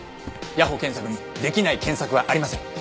谷保健作にできない検索はありません。